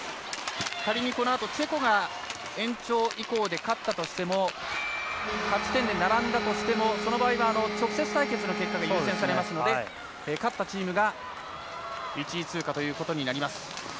仮にこのあとチェコが延長以降で勝ったとしても勝ち点で並んだとしてもその場合は直接対決の結果が優先されますので勝ったチームが１位通過となります。